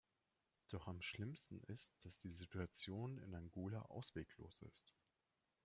Doch am schlimmsten ist, dass die Situation in Angola ausweglos ist.